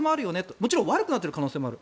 もちろん悪くなっている可能性もある。